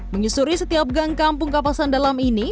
menyusuri setiap gang kampung kapasan dalam ini